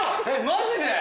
マジで？